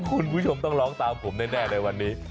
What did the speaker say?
คุณผู้ชมต้องร้องตามผมแน่ในวันนี้